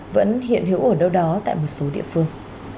vẫn hiện hữu ở đâu đó tại một số địa phương